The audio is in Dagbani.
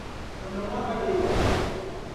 O niŋ ma aleewa.